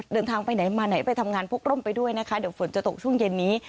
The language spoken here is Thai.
เดินทางไปไหนมาไหนไปทำงานพกร่มไปด้วยนะคะเดี๋ยวฝนจะตกช่วงเย็นนี้